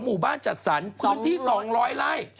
หมู่บ้านจัดสรรพื้นที่๒๐๐ไร่